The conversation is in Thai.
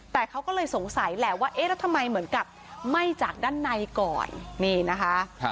แต่เขาก็เลยสงสัยแหละว่าเอ๊ะแล้วทำไมเหมือนกับไหม้จากด้านในก่อนนี่นะคะ